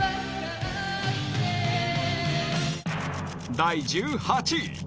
第１８位。